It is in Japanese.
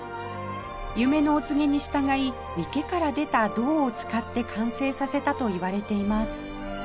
夢のお告げに従い池から出た銅を使って完成させたといわれています